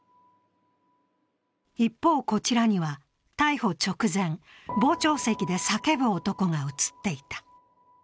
一方、こちらには逮捕直前、傍聴席で叫ぶ男が写っていた。